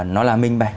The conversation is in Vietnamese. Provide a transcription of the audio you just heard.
nó là minh bạch